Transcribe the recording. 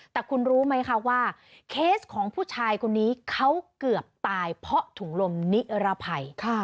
แต่คุณรู้ไหมคะว่าเคสของผู้ชายคนนี้เขาเกือบตายเพราะถุงลมนิรภัย